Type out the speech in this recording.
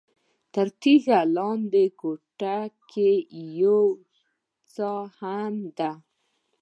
تر تیږې لاندې کوټه کې یوه څاه هم ده.